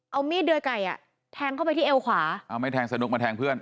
เอามีดเดือยไก่อ่ะแทงเข้าไปที่เอวขวาเอาไม่แทงสนุกมาแทงเพื่อน